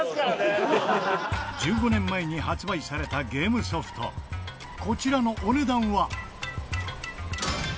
１５年前に発売されたゲームソフトこちらのお値段は。